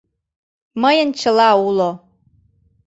Мыйын чыла уло...